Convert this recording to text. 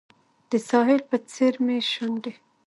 د ساحل په څیر مې شونډې